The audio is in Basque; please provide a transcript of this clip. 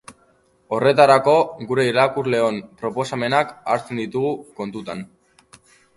Horretarako, gure irakurleon proposamenak hartzen ditugu kontutan.